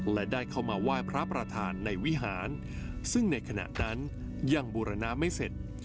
และได้เข้ามาไหว้พระประธานในวิหารซึ่งในขณะนั้นยังบูรณะไม่เสร็จ